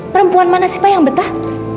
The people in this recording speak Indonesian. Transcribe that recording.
perempuan mana sih pak yang betah